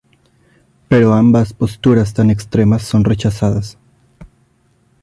Pero ambas posturas tan extremas son rechazadas.